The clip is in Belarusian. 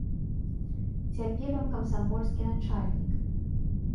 Цяпер ён камсамольскі начальнік.